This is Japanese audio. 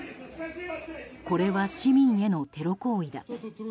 これは市民へのテロ行為だ。